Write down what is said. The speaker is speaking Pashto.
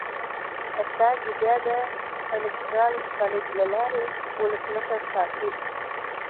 استازي بیا د الېکترال کالج له لارې ولسمشر ټاکي.